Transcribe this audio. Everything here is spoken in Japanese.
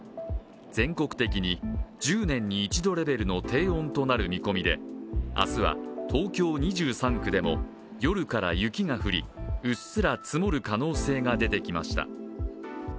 全国的に１０年に１度レベルの低温となる見込みで明日は東京２３区でも夜から雪が降り、うっすら積もる可能性も出てきました。